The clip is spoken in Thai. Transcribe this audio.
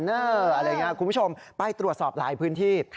คุณผู้ชมไปตรวจสอบหลายพื้นที่